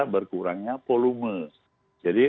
berkurangnya polume jadi